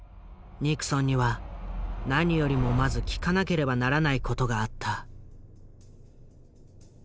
ニクソンには何よりもまず聞かなければならない事があった。